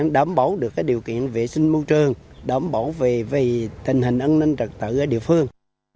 đảm bảo được điều kiện vệ sinh môi trường đảm bảo về tình hình an ninh trật tự ở địa phương